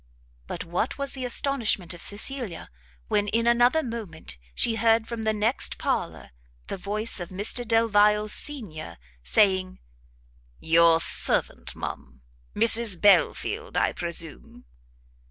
But what was the astonishment of Cecilia, when, in another moment, she heard from the next parlour the voice of Mr Delvile senior, saying, "Your servant, ma'am; Mrs Belfield, I presume?"